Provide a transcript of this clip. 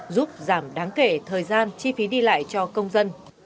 giúp giảm đáng kể thời gian chi phí đi lại cho công dân